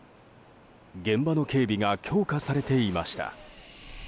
現場の警備が強化されていました。